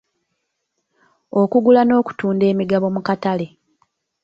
Okugula n'okutunda emigabo mu katale.